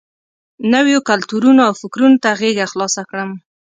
نویو کلتورونو او فکرونو ته غېږه خلاصه کړم.